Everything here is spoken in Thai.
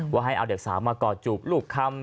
ว่าให้เอาเด็กสาวมากอดจูบลูกคำ